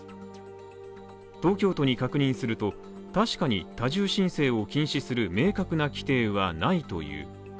東京都に確認すると確かに多重申請を禁止する明確な規定はないという。